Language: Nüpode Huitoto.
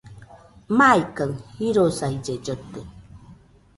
Maikaɨ jirosaille llote